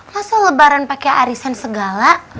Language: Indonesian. masa lebaran pakai arisan segala